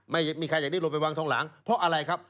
ไม่มีใครอยากได้ลงไปวางทองหลังเพราะอะไรครับ